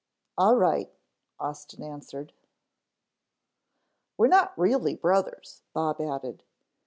"All right," Austin answered. "We're not really brothers," Bob added.